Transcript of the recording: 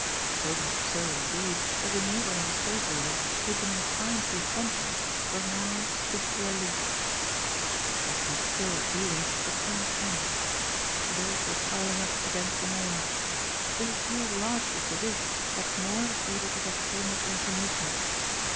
So much so indeed that the neighboring estate owners who had been inclined to be friendly were now stiffly aloof. The captain's skill at dealing was uncanny. Bills were piling up against them all. It was due largely to this that Moor was able to get so much information.